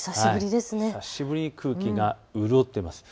久しぶりに空気が潤っています。